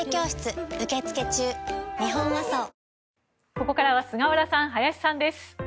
ここからは菅原さん、林さんです。